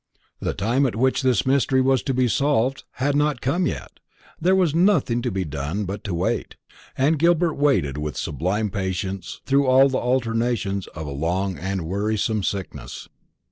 The time at which this mystery was to be solved had not come yet; there was nothing to be done but to wait, and Gilbert waited with a sublime patience through all the alternations of a long and wearisome sickness.